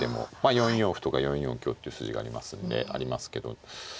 ４四歩とか４四香っていう筋がありますけど。